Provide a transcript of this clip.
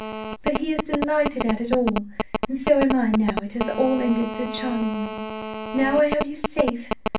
But he is delighted at it all, and so am I now it has all ended so charmingly, now I have you safe.